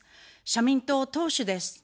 社民党党首です。